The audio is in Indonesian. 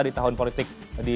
di tahun politik